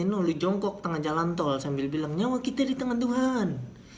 no lu jongkok tengah jalan tol sambil bilang nyawa kita di tangan tuhan